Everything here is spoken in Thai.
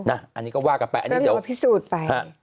อันนี้ก็ว่ากันไปอันนี้เดี๋ยวก็พิสูจน์ไป